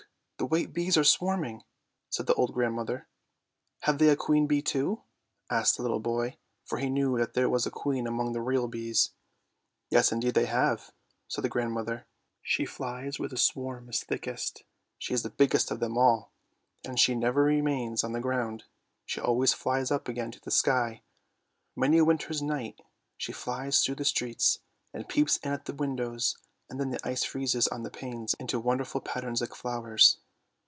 the white bees are swarming," said the old grandmother. " Have they a queen bee too? " asked the little boy, for he knew that there was a queen among the real bees. :' Yes indeed they have," said the grandmother. " She flies where the swarm is thickest. She is the biggest of them all, and she never remains on the ground. She always flies up again to the sky. Many a winter's night she flies through the streets and peeps in at the windows, and then the ice freezes on the panes into wonderful patterns like flowers."